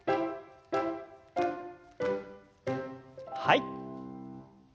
はい。